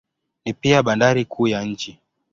Ni pia bandari kuu ya nchi.